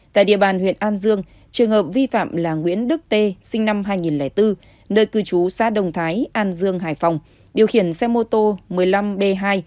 tại địa bàn huyện an dương trường hợp vi phạm là nguyễn đức t sinh năm hai nghìn bốn nơi cư trú xa đồng thái an dương hải phòng điều khiển xe mô tô một mươi năm b hai trăm bảy mươi hai nghìn hai trăm tám mươi sáu